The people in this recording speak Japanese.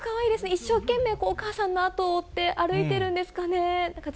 一生懸命お母さんの後を追って歩いてるんですかね。